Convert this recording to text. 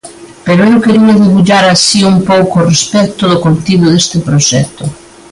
Pero eu quería debullar así un pouco respecto do contido deste proxecto.